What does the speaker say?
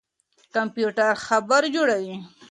کمپيوټر خبر جوړوي.